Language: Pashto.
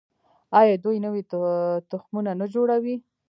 آیا دوی نوي تخمونه نه جوړوي؟